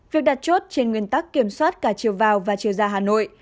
việc đặt chốt trên nguyên tắc kiểm soát cả chiều vào và chiều ra hà nội